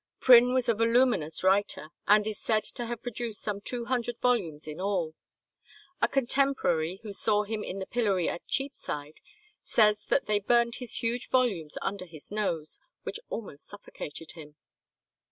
Prynne was a voluminous writer, and is said to have produced some two hundred volumes in all. A contemporary, who saw him in the pillory at Cheapside, says that they burned his huge volumes under his nose, which almost suffocated him.